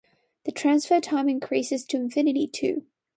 The transfer time increases to infinity too.